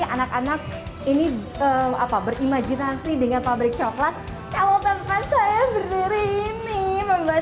anak anak ini apa berimajinasi dengan pabrik coklat kalau tempat saya berdiri ini membuat